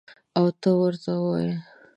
او ورته ووایي: